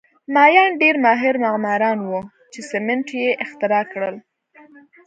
مایان ډېر ماهر معماران وو چې سیمنټ یې اختراع کړل